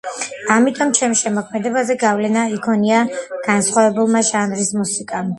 ამიტომ ჩემს შემოქმედებაზე გავლენა იქონია განსხვავებულმა ჟანრის მუსიკამ.